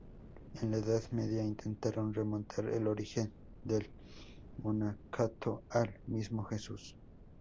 En la Edad Media intentaron remontar el origen del monacato al mismo Jesús.